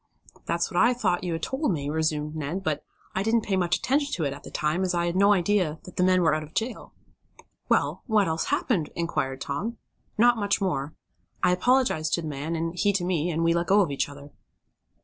"That's what I thought you had told me," resumed Ned, "but I didn't pay any attention to it at the time, as I had no idea that the men were out of jail." "Well, what else happened?" inquired Tom "Not much more. I apologized to the man, and he to me, and we let go of each other."